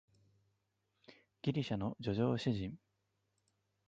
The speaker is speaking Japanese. ギリシャの叙情詩人